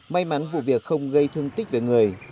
may mắn vụ việc không gây thương tích về người